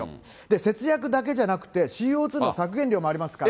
節約だけじゃなくて、ＣＯ２の削減量もありますから。